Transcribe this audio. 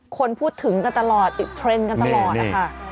คนพูดถึงกันตลอดติดเทรนด์กันตลอดนะคะ